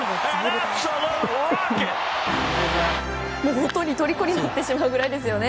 本当に、とりこになってしまうぐらいですよね。